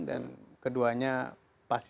dan keduanya pasti